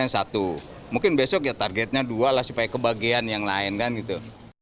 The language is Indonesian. satu mungkin besok ya targetnya dua lah supaya kebagian yang lain kan gitu